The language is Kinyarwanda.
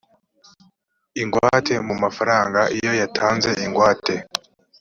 ingwate mu mafaranga iyo yatanze ingwate